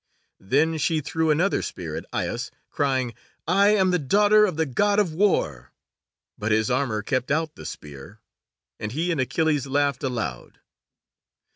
Then she threw another spear at Aias, crying, "I am the daughter of the God of War," but his armour kept out the spear, and he and Achilles laughed aloud.